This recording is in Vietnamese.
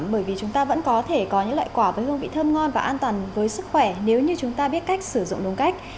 bởi vì chúng ta vẫn có thể có những loại quả với hương vị thơm ngon và an toàn với sức khỏe nếu như chúng ta biết cách sử dụng đúng cách